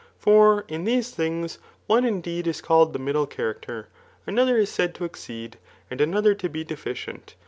For in these things, one indeed is called the middle character, another i^ ssud to exceed, and another to be deficient.